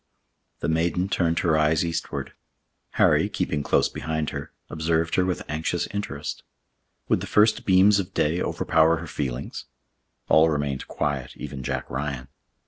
The maiden turned her eyes eastward. Harry, keeping close beside her, observed her with anxious interest. Would the first beams of day overpower her feelings? All remained quiet, even Jack Ryan.